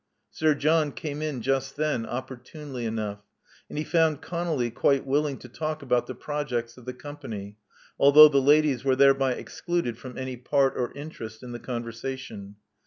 Sir John came in just then, opportunely enough ; and he found ConoUy quite willing to talk about the pro jects of the Company, although the ladies were there by excluded from any part or interest in the con versation.